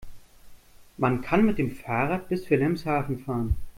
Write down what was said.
Man kann mit dem Fahrrad bis Wilhelmshaven fahren